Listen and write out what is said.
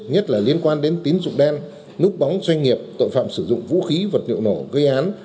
nhất là liên quan đến tín dụng đen núp bóng doanh nghiệp tội phạm sử dụng vũ khí vật liệu nổ gây án